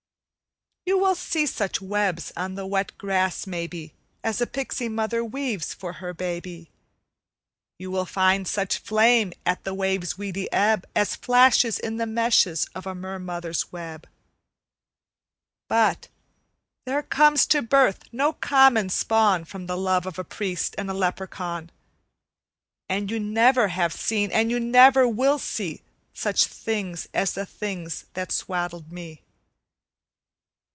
You will see such webs on the wet grass, maybe, As a pixie mother weaves for her baby, You will find such flame at the wave's weedy ebb As flashes in the meshes of a mer mother's web, But there comes to birth no common spawn From the love of a priest and a leprechaun, And you never have seen and you never will see Such things as the things that swaddled me!